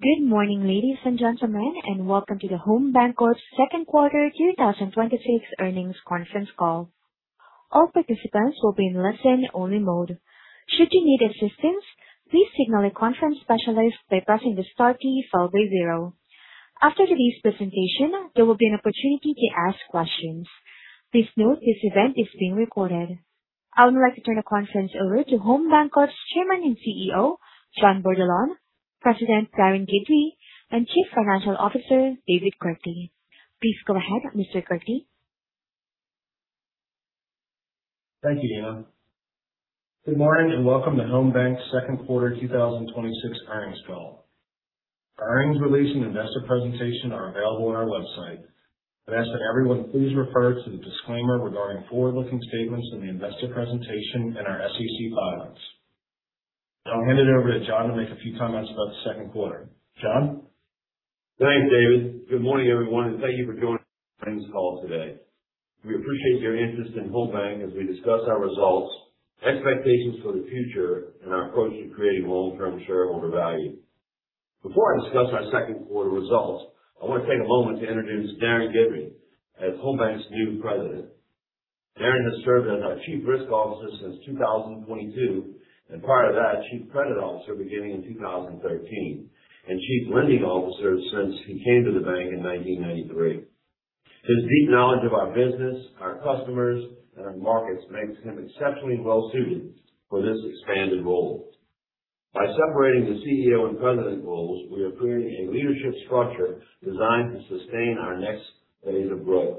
Good morning, ladies and gentlemen, and welcome to the Home Bancorp Second Quarter 2026 Earnings Conference Call. All participants will be in listen only mode. Should you need assistance, please signal a conference specialist by pressing the star key followed by zero. After today's presentation, there will be an opportunity to ask questions. Please note this event is being recorded. I would like to turn the conference over to Home Bancorp's Chairman and CEO, John Bordelon, President Darren Guidry, and Chief Financial Officer David Kirkley. Please go ahead, Mr. Kirkley. Thank you, Ana. Good morning and welcome to Home Bancorp's second quarter 2026 earnings call. Our earnings release and investor presentation are available on our website. I'd ask that everyone please refer to the disclaimer regarding forward-looking statements in the investor presentation and our SEC filings. I'll hand it over to John to make a few comments about the second quarter. John? Thanks, David. Good morning, everyone. Thank you for joining the earnings call today. We appreciate your interest in Home Banc as we discuss our results, expectations for the future, and our approach to creating long-term shareholder value. Before I discuss our second quarter results, I want to take a moment to introduce Darren Guidry as Home Banc's new President. Darren has served as our Chief Risk Officer since 2022, and prior to that, Chief Credit Officer beginning in 2013, and Chief Lending Officer since he came to the bank in 1993. His deep knowledge of our business, our customers, and our markets makes him exceptionally well-suited for this expanded role. By separating the CEO and president roles, we are creating a leadership structure designed to sustain our next phase of growth.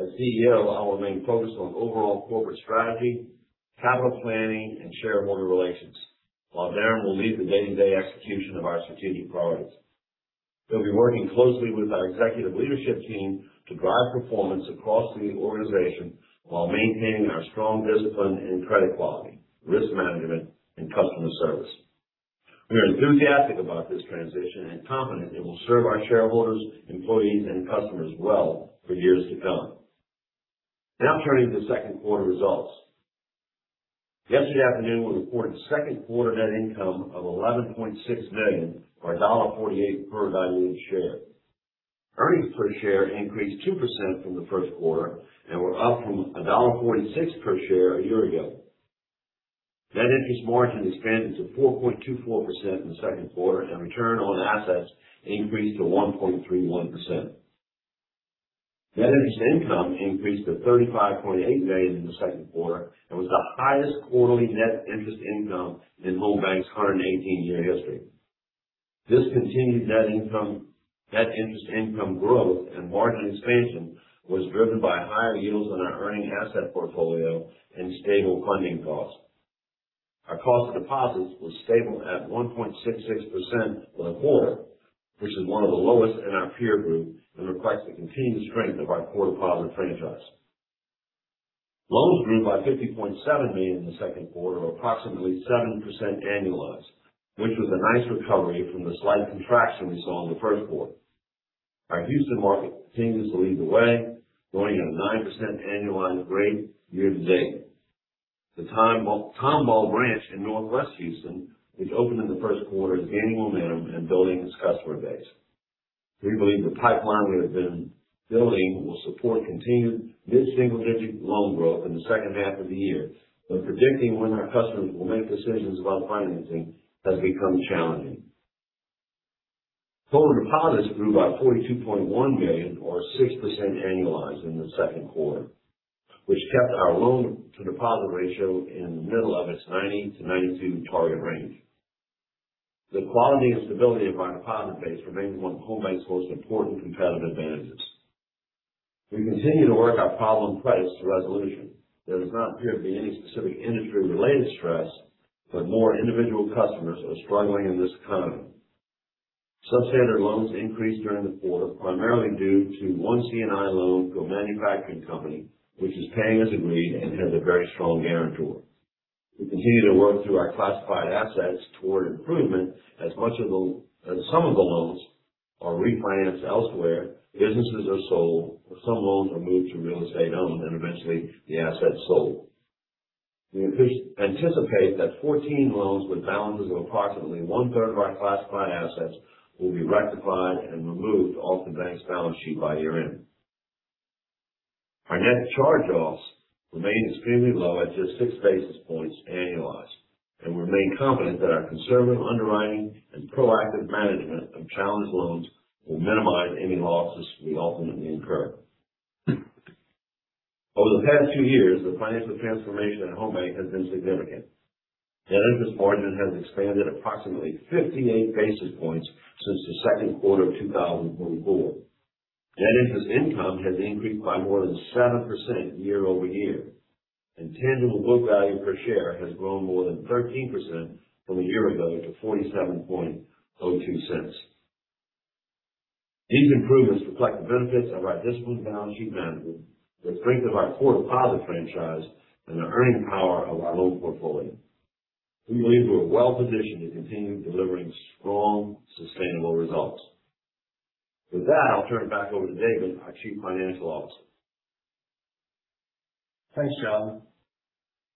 As CEO, I will remain focused on overall corporate strategy, capital planning, and shareholder relations, while Darren will lead the day-to-day execution of our strategic priorities. He'll be working closely with our executive leadership team to drive performance across the organization while maintaining our strong discipline in credit quality, risk management, and customer service. We are enthusiastic about this transition and confident it will serve our shareholders, employees, and customers well for years to come. Turning to second quarter results. Yesterday afternoon, we reported second quarter net income of $11.6 million or $1.48 per diluted share. Earnings per share increased 2% from the first quarter and were up from $1.46 per share a year ago. Net interest margin expanded to 4.24% in the second quarter, and return on assets increased to 1.31%. Net interest income increased to $35.8 million in the second quarter and was the highest quarterly net interest income in Home Banc's 118-year history. This continued net interest income growth and margin expansion was driven by higher yields on our earning asset portfolio and stable funding costs. Our cost of deposits was stable at 1.66% for the quarter, which is one of the lowest in our peer group and reflects the continued strength of our core deposit franchise. Loans grew by $50.7 million in the second quarter, approximately 7% annualized, which was a nice recovery from the slight contraction we saw in the first quarter. Our Houston market continues to lead the way, growing at a 9% annualized rate year to date. The Tomball branch in Northwest Houston, which opened in the first quarter, is gaining momentum and building its customer base. We believe the pipeline we have been building will support continued mid-single-digit loan growth in the second half of the year, but predicting when our customers will make decisions about financing has become challenging. Total deposits grew by $42.1 million or 6% annualized in the second quarter, which kept our loan-to-deposit ratio in the middle of its 90%-92% target range. The quality and stability of our deposit base remains one of Home Banc's most important competitive advantages. We continue to work our problem credits to resolution. There does not appear to be any specific industry-related stress, but more individual customers are struggling in this economy. Substandard loans increased during the quarter, primarily due to one C&I loan to a manufacturing company, which is paying as agreed and has a very strong guarantor. We continue to work through our classified assets toward improvement as some of the loans are refinanced elsewhere, businesses are sold, or some loans are moved to real estate owned, and eventually the asset is sold. We anticipate that 14 loans with balances of approximately 1/3 of our classified assets will be rectified and removed off the bank's balance sheet by year-end. Our net charge-offs remain extremely low at just 6 basis points annualized, and we remain confident that our conservative underwriting and proactive management of challenged loans will minimize any losses we ultimately incur. Over the past few years, the financial transformation at Home Banc has been significant. Net interest margin has expanded approximately 58 basis points since the second quarter of 2024. Net interest income has increased by more than 7% year-over-year. Tangible book value per share has grown more than 13% from a year ago to $47.02. These improvements reflect the benefits of our disciplined balance sheet management, the strength of our core deposit franchise, and the earning power of our loan portfolio. We believe we are well-positioned to continue delivering strong, sustainable results. With that, I'll turn it back over to David, our Chief Financial Officer. Thanks, John.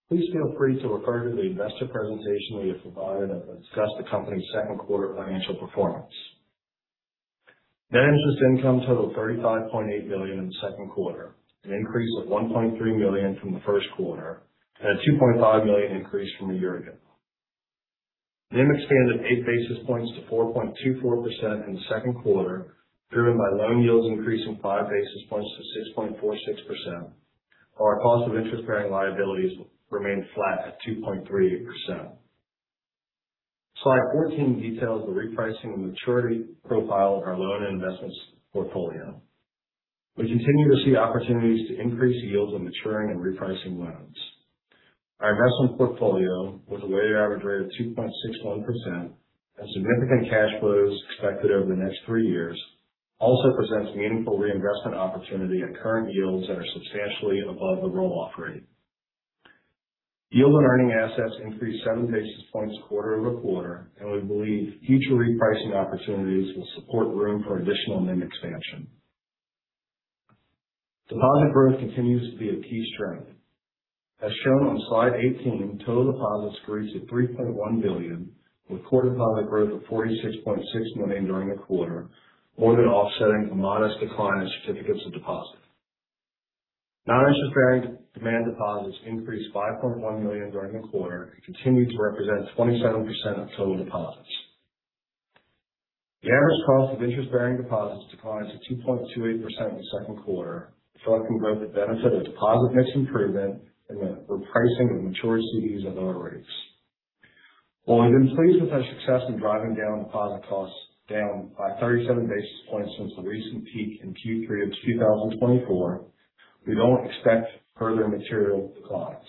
Please feel free to refer to the investor presentation we have provided as we discuss the company's second quarter financial performance. Net interest income totaled $35.8 million in the second quarter, an increase of $1.3 million from the first quarter and a $2.5 million increase from a year ago. NIM expanded 8 basis points to 4.24% in the second quarter, driven by loan yields increasing 5 basis points to 6.46%. Our cost of interest-bearing liabilities remained flat at 2.38%. Slide 14 details the repricing and maturity profile of our loan investments portfolio. We continue to see opportunities to increase yields on maturing and repricing loans. Our investment portfolio, with a weighted average rate of 2.61% and significant cash flows expected over the next three years, also presents meaningful reinvestment opportunity at current yields that are substantially above the roll-off rate. Yield on earning assets increased 7 basis points quarter-over-quarter. We believe future repricing opportunities will support room for additional NIM expansion. Deposit growth continues to be a key strength. As shown on slide 18, total deposits increased to $3.1 billion, with quarter deposit growth of $46.6 million during the quarter, more than offsetting a modest decline in certificates of deposit. Non-interest-bearing demand deposits increased $5.1 million during the quarter and continued to represent 27% of total deposits. The average cost of interest-bearing deposits declined to 2.28% in the second quarter, reflecting both the benefit of deposit mix improvement and the repricing of mature CDs at lower rates. While we've been pleased with our success in driving down deposit costs by 37 basis points since the recent peak in Q3 of 2024, we don't expect further material declines.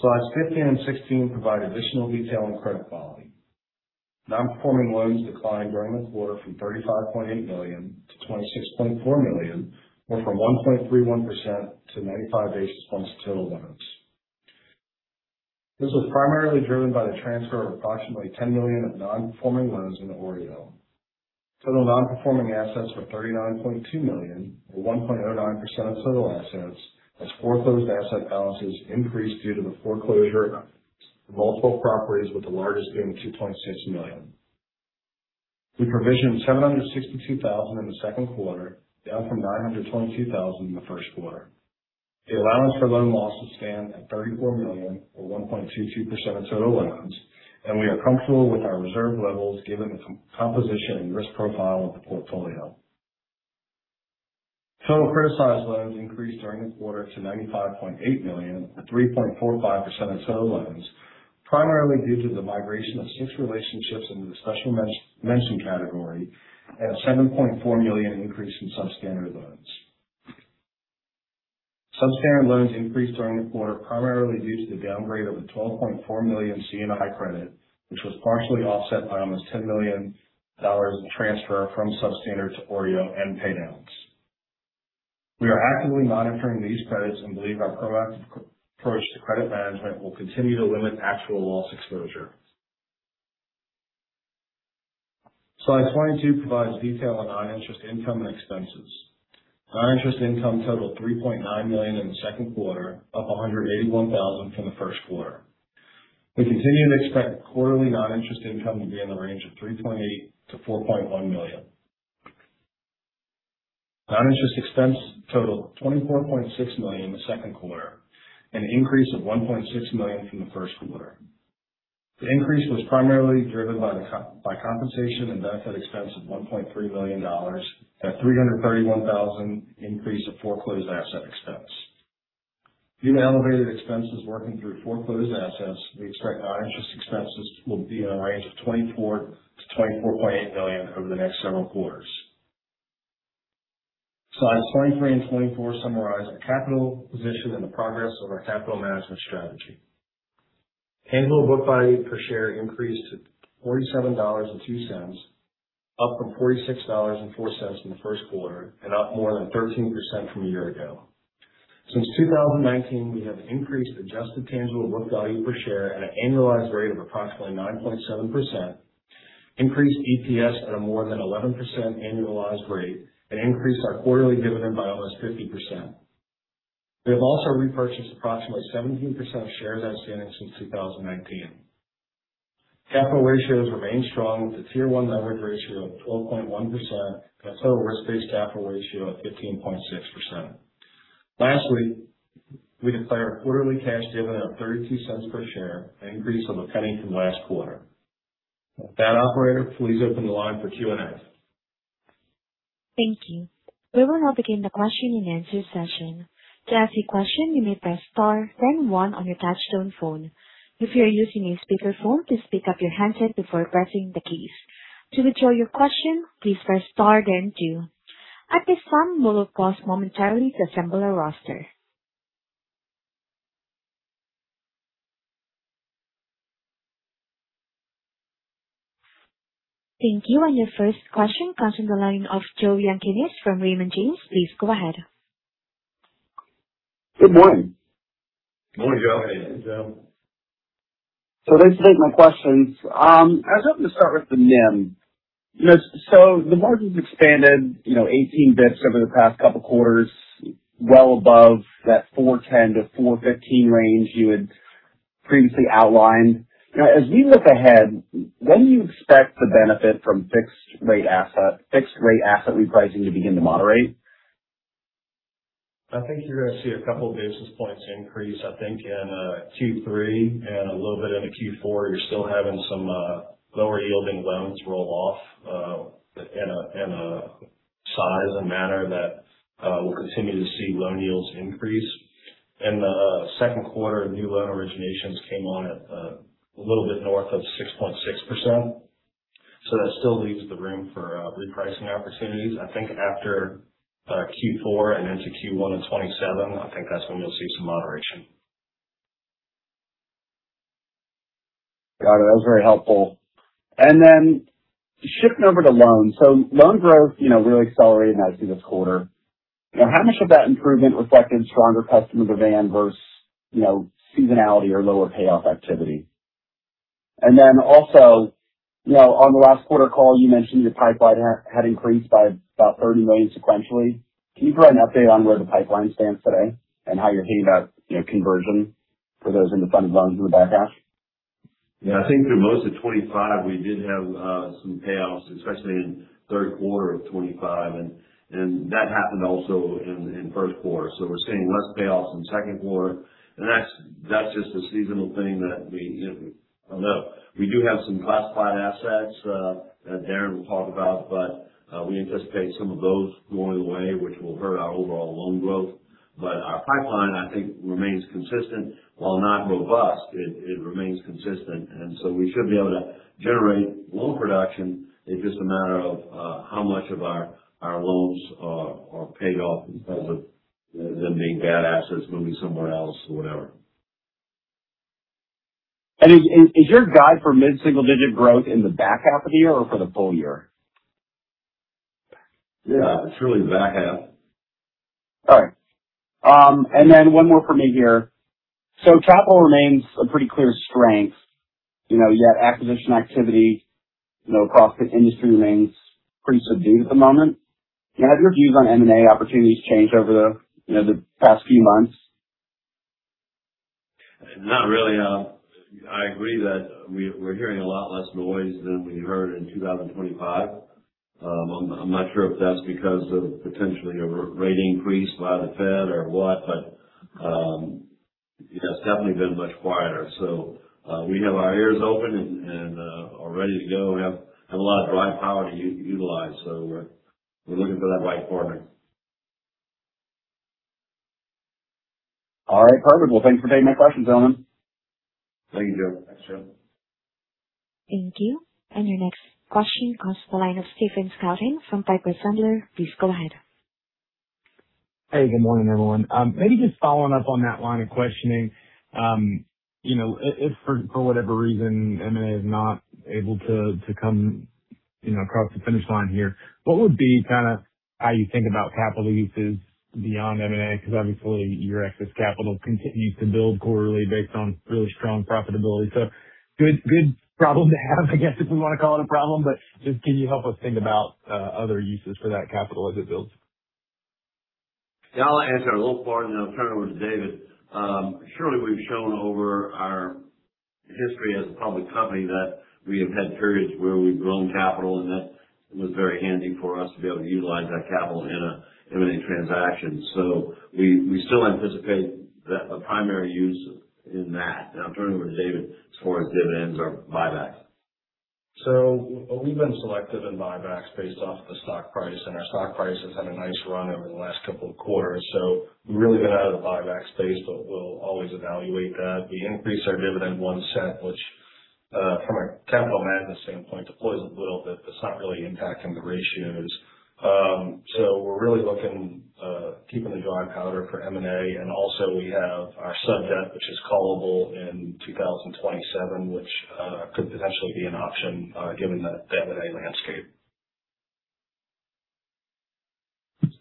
Slides 15 and 16 provide additional detail on credit quality. Non-performing loans declined during the quarter from $35.8 million to $26.4 million, or from 1.31% to 95 basis points of total loans. This was primarily driven by the transfer of approximately $10 million of non-performing loans into OREO. Total non-performing assets were $39.2 million, or 1.09% of total assets, as foreclosed asset balances increased due to the foreclosure of multiple properties, with the largest being $2.6 million. We provisioned $762,000 in the second quarter, down from $922,000 in the first quarter. The allowance for loan loss will stand at $34 million, or 1.22% of total loans. We are comfortable with our reserve levels given the composition and risk profile of the portfolio. Total criticized loans increased during the quarter to $95.8 million, or 3.45% of total loans, primarily due to the migration of six relationships into the special mention category and a $7.4 million increase in substandard loans. Substandard loans increased during the quarter primarily due to the downgrade of a $12.4 million C&I credit, which was partially offset by almost $10 million transfer from substandard to OREO and paydowns. We are actively monitoring these credits and believe our proactive approach to credit management will continue to limit actual loss exposure. Slide 22 provides detail on non-interest income and expenses. Non-interest income totaled $3.9 million in the second quarter, up $181,000 from the first quarter. We continue to expect quarterly non-interest income to be in the range of $3.8 million to $4.1 million. Non-interest expense totaled $24.6 million in the second quarter, an increase of $1.6 million from the first quarter. The increase was primarily driven by compensation and benefit expense of $1.3 million and a $331,000 increase of foreclosed asset expense. Given elevated expenses working through foreclosed assets, we expect non-interest expenses will be in a range of $24 million-$24.8 million over the next several quarters. Slides 23 and 24 summarize our capital position and the progress of our capital management strategy. Tangible book value per share increased to $47.02, up from $46.04 in the first quarter and up more than 13% from a year ago. Since 2019, we have increased adjusted tangible book value per share at an annualized rate of approximately 9.7%, increased EPS at a more than 11% annualized rate, and increased our quarterly dividend by almost 50%. We have also repurchased approximately 17% of shares outstanding since 2019. Capital ratios remain strong with a Tier 1 leverage ratio of 12.1% and a total risk-based capital ratio of 15.6%. Lastly, we declare a quarterly cash dividend of $0.32 per share, an increase of $0.01 from last quarter. With that, operator, please open the line for Q&A. Thank you. We will now begin the question and answer session. To ask a question, you may press star then one on your touchtone phone. If you are using a speakerphone, please pick up your handset before pressing the keys. To withdraw your question, please press star then two. At this time, we will pause momentarily to assemble our roster. Thank you. Your first question comes from the line of Joe Yanchunis from Raymond James. Please go ahead. Good morning. Good morning, Joe. Hey, Joe. Those are my questions. I was hoping to start with the NIM. The margin's expanded, 18 basis over the past couple quarters, well above that 410 to 415 range you had previously outlined. As we look ahead, when do you expect the benefit from fixed rate asset repricing to begin to moderate? I think you're going to see a couple basis points increase, I think in Q3 and a little bit into Q4. You're still having some lower yielding loans roll off, in a size and manner that we'll continue to see loan yields increase. In the second quarter, new loan originations came on at a little bit north of 6.6%. That still leaves the room for repricing opportunities. I think after Q4 and into Q1 of 2027, I think that's when you'll see some moderation. Got it. That's very helpful. Shifting over to loans. Loan growth really accelerated nicely this quarter. How much of that improvement reflected stronger customer demand versus seasonality or lower payoff activity? On the last quarter call, you mentioned your pipeline had increased by about $30 million sequentially. Can you provide an update on where the pipeline stands today and how you're hitting that conversion for those in the funded loans in the back half? Yeah. I think through most of 2025 we did have some payoffs, especially in third quarter of 2025, and that happened also in first quarter. We're seeing less payoffs in second quarter. That's just a seasonal thing that we know. We do have some classified assets that Darren will talk about, but we anticipate some of those going away, which will hurt our overall loan growth. Our pipeline, I think, remains consistent. While not robust, it remains consistent, we should be able to generate loan production. It's just a matter of how much of our loans are paid off because of them being bad assets moving somewhere else or whatever. Is your guide for mid-single digit growth in the back half of the year or for the full year? Yeah, it's really the back half. All right. One more from me here. Capital remains a pretty clear strength. You have acquisition activity, across the industry remains pretty subdued at the moment. Have your views on M&A opportunities changed over the past few months? Not really. I agree that we're hearing a lot less noise than we heard in 2025. I'm not sure if that's because of potentially a rate increase by the Fed or what, but it has definitely been much quieter. We have our ears open and are ready to go. We have a lot of dry powder to utilize, we're looking for that right partner. All right, perfect. Well, thanks for taking my questions, gentlemen. Thank you, Joe. Thanks, Joe. Thank you. Your next question comes from the line of Stephen Scouten from Piper Sandler. Please go ahead. Hey, good morning, everyone. Maybe just following up on that line of questioning. If for whatever reason M&A is not able to come across the finish line here, what would be how you think about capital uses beyond M&A? Because obviously your excess capital continues to build quarterly based on really strong profitability. Good problem to have, I guess, if we want to call it a problem, but just can you help us think about other uses for that capital as it builds? Yeah, I'll answer a little part, and then I'll turn it over to David. Surely we've shown over our history as a public company that we have had periods where we've grown capital, and that was very handy for us to be able to utilize that capital in a M&A transaction. We still anticipate that the primary use is in that. I'll turn it over to David as far as dividends or buybacks. We've been selective in buybacks based off the stock price, our stock price has had a nice run over the last couple of quarters. We've really been out of the buyback space, but we'll always evaluate that. We increased our dividend $0.01, which from a capital management standpoint deploys a little bit, but it's not really impacting the ratios. We're really looking, keeping the dry powder for M&A, also we have our sub-debt, which is callable in 2027, which could potentially be an option given the M&A landscape.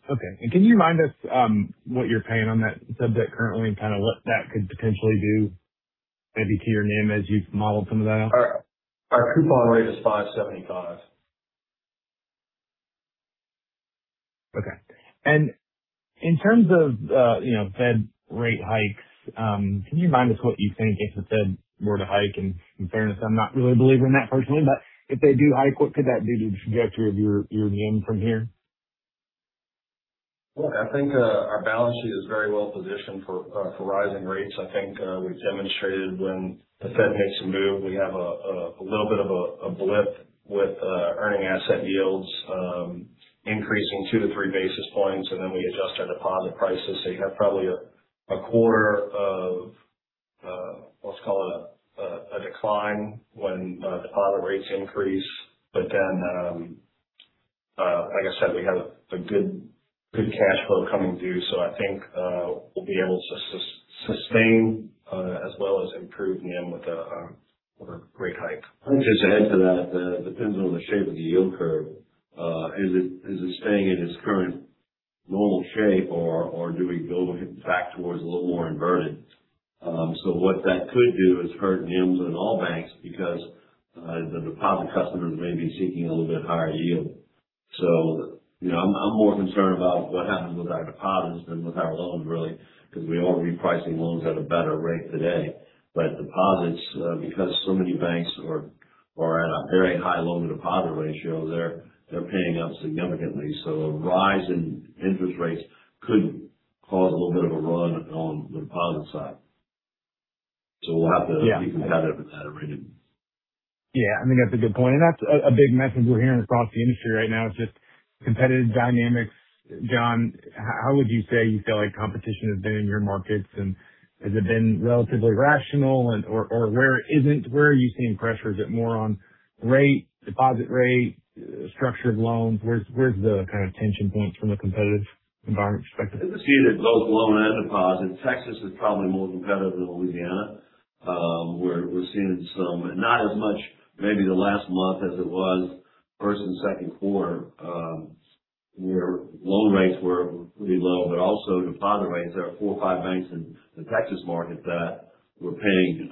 Okay. Can you remind us what you're paying on that sub-debt currently and what that could potentially do maybe to your NIM as you've modeled some of that out? Our coupon rate is 5.75%. Okay. In terms of Fed rate hikes, can you remind us what you think if the Fed were to hike? In fairness, I'm not really a believer in that personally, but if they do hike, what could that do to the trajectory of your NIM from here? I think our balance sheet is very well positioned for rising rates. I think we've demonstrated when the Fed makes a move, we have a little bit of a blip with earning asset yields increasing 2-3 basis points, and then we adjust our deposit prices. You have probably a quarter of, let's call it a decline when deposit rates increase. Like I said, we have a good cash flow coming due. I think we'll be able to sustain as well as improve NIM with a rate hike. Let me just add to that. Depends on the shape of the yield curve. Is it staying in its current Normal shape or do we go back towards a little more inverted? What that could do is hurt NIMs on all banks because the deposit customers may be seeking a little bit higher yield. I'm more concerned about what happens with our deposits than with our loans, really, because we won't be pricing loans at a better rate today. Deposits, because so many banks are at a very high loan-to-deposit ratio, they're paying up significantly. A rise in interest rates could cause a little bit of a run on the deposit side. We'll have to be competitive in that arena. I think that's a good point. That's a big message we're hearing across the industry right now is just competitive dynamics. John, how would you say you feel like competition has been in your markets, and has it been relatively rational? Where are you seeing pressure? Is it more on rate, deposit rate, structure of loans? Where's the tension points from a competitive environment perspective? I could see that both loan and deposit, Texas is probably more competitive than Louisiana, where we're seeing some, not as much maybe the last month as it was first and second quarter, where loan rates were pretty low, but also deposit rates. There are four or five banks in the Texas market that were paying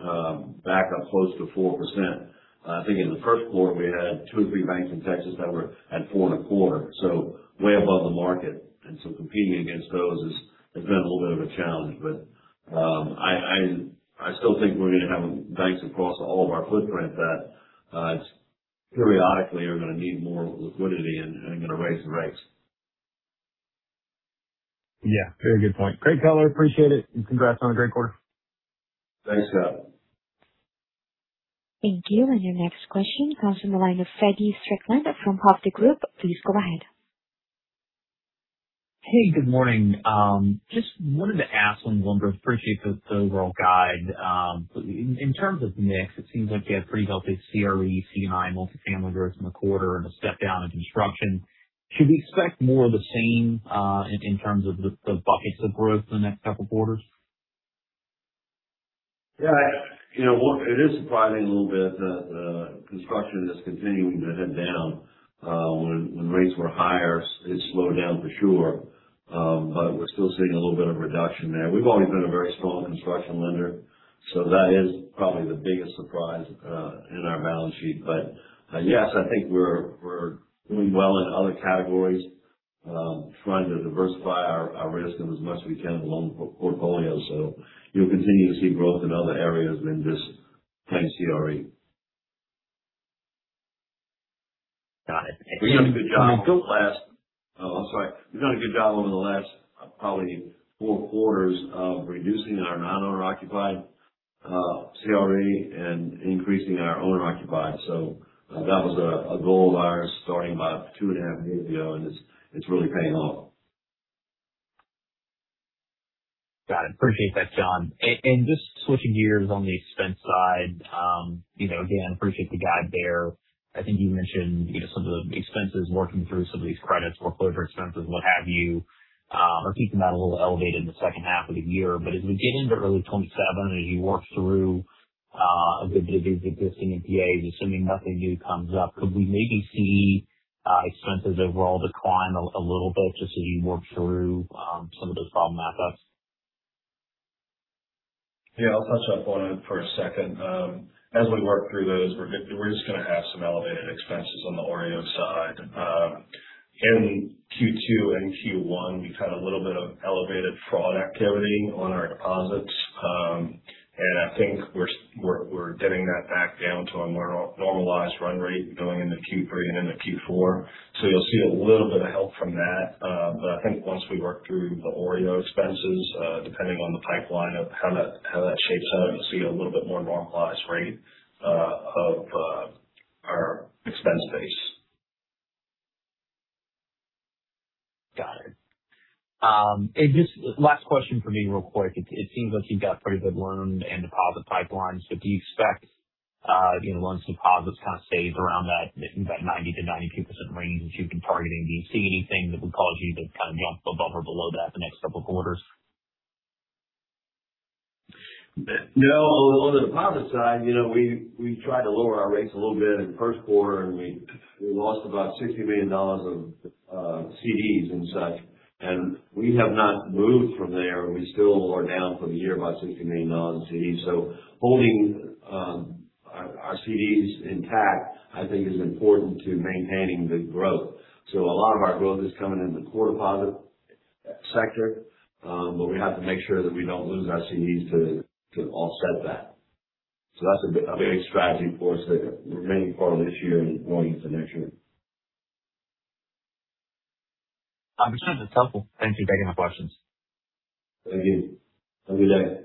back up close to 4%. I think in the first quarter, we had two or three banks in Texas that were at four and a quarter, so way above the market. Competing against those has been a little bit of a challenge. I still think we're going to have banks across all of our footprint that periodically are going to need more liquidity and are going to raise the rates. Yeah, very good point. Great color, appreciate it. Congrats on a great quarter. Thanks, Scouten. Thank you. Your next question comes from the line of Feddie Strickland from Hovde Group. Please go ahead. Hey, good morning. Just wanted to ask one, appreciate the overall guide. In terms of mix, it seems like you had pretty healthy CRE, C&I, multifamily growth in the quarter and a step down in construction. Should we expect more of the same in terms of the buckets of growth for the next couple of quarters? Yeah. It is surprising a little bit that construction is continuing to head down. When rates were higher, it slowed down for sure. We're still seeing a little bit of reduction there. We've always been a very strong construction lender, so that is probably the biggest surprise in our balance sheet. Yes, I think we're doing well in other categories, trying to diversify our risk as much as we can in the loan portfolio. You'll continue to see growth in other areas than just plain CRE. Got it. We've done a good job over the last probably four quarters of reducing our non-owner occupied CRE and increasing our owner occupied. That was a goal of ours starting about 2.5 years ago, it's really paying off. Got it. Appreciate that, John. Just switching gears on the expense side, again, appreciate the guide there. I think you mentioned some of the expenses, working through some of these credits, foreclosure expenses, what have you, are keeping that a little elevated in the second half of the year. As we get into early 2027, as you work through a good bit of these existing NPAs, assuming nothing new comes up, could we maybe see expenses overall decline a little bit just as you work through some of those problem assets? Yeah, I'll touch on it for a second. As we work through those, we're just going to have some elevated expenses on the OREO side. In Q2 and Q1, we've had a little bit of elevated fraud activity on our deposits. I think we're getting that back down to a more normalized run rate going into Q3 and into Q4. You'll see a little bit of help from that. I think once we work through the OREO expenses, depending on the pipeline of how that shapes up, you'll see a little bit more normalized rate of our expense base. Got it. Just last question from me, real quick. It seems like you've got pretty good loan and deposit pipeline. Do you expect, once deposits kind of stays around that 90%-92% range that you've been targeting, do you see anything that would cause you to kind of jump above or below that the next couple of quarters? No. On the deposit side, we tried to lower our rates a little bit in the first quarter, and we lost about $60 million of CDs and such. We have not moved from there. We still are down for the year about $60 million in CDs. Holding our CDs intact, I think, is important to maintaining the growth. A lot of our growth is coming in the core deposit sector, but we have to make sure that we don't lose our CDs to offset that. That's a big strategy for us the remaining part of this year and going into next year. That's helpful. Thank you. Back in questions. Thank you. Have a good day.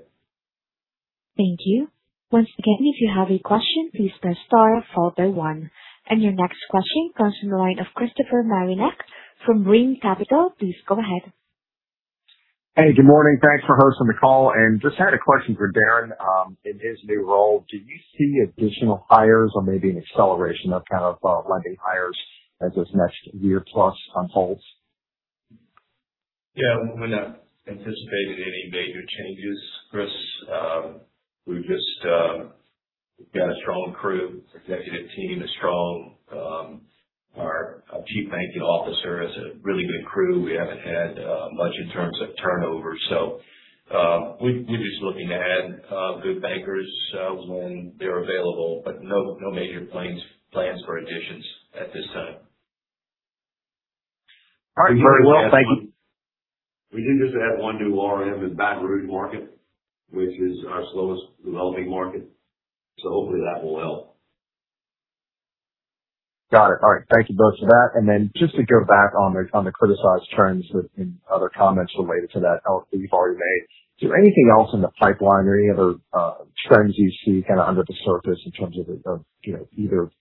Thank you. Once again, if you have a question, please press star followed by one. Your next question comes from the line of Christopher Marinac from Brean Capital. Please go ahead. Hey, good morning. Thanks for hosting the call. Just had a question for Darren. In his new role, do you see additional hires or maybe an acceleration of kind of lending hires as this next year plus unfolds? Yeah. We're not anticipating any major changes, Chris. We've just, we've got a strong crew, executive team, our Chief Banking Officer has a really good crew. We haven't had much in terms of turnover. We're just looking to add good bankers when they're available, but no major plans for additions at this time. All right. Very well. Thank you. We did just add one new RM in Baton Rouge market, which is our slowest developing market, so hopefully that will help. Got it. All right. Thank you both for that. Then just to go back on the criticized trends and other comments related to that you've already made, is there anything else in the pipeline or any other trends you see under the surface in terms of either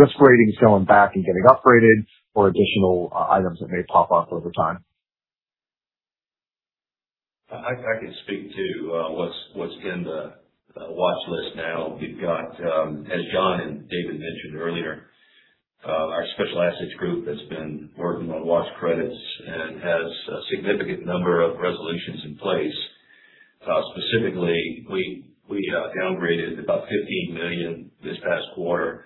risk ratings going back and getting upgraded or additional items that may pop up over time? I can speak to what's in the watch list now. We've got, as John and David mentioned earlier, our special assets group that's been working on watch credits and has a significant number of resolutions in place. Specifically, we downgraded about $15 million this past quarter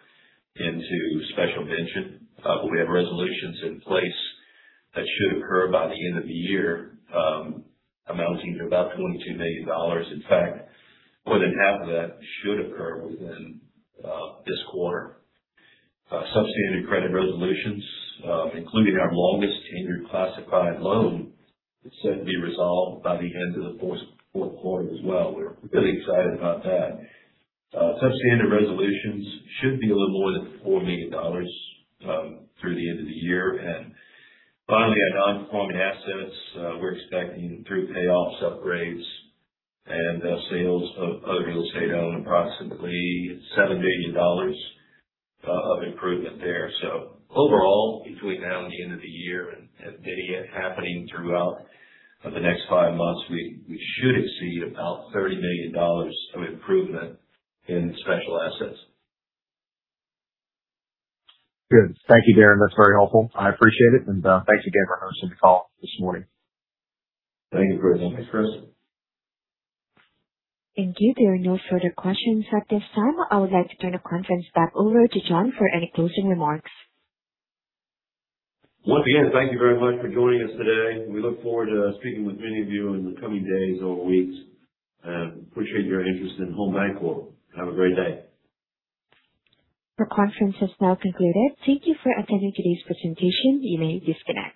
into special mention. We have resolutions in place that should occur by the end of the year, amounting to about $22 million. In fact, more than half of that should occur within this quarter. Substandard credit resolutions, including our longest tenured classified loan, is set to be resolved by the end of the fourth quarter as well. We're really excited about that. Substandard resolutions should be a little more than $4 million through the end of the year. Finally, our non-performing assets, we're expecting through payoffs, upgrades, and sales of other real estate owned, approximately $7 million of improvement there. Overall, between now and the end of the year and many happening throughout the next five months, we should exceed about $30 million of improvement in special assets. Good. Thank you, Darren. That's very helpful. I appreciate it. Thanks again for hosting the call this morning. Thank you for the invite, Chris. Due there are no further questions at this time, I would like to turn the conference back over to John for any closing remarks. Once again, thank you very much for joining us today. We look forward to speaking with many of you in the coming days or weeks. Appreciate your interest in Home Bancorp. Have a great day. The conference has now concluded. Thank you for attending today's presentation. You may disconnect.